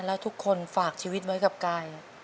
แล้วทุกคนฝากชีวิตไว้กับกาย